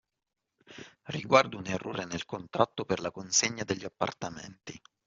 Riguardo un errore nel contratto per la consegna degli appartamenti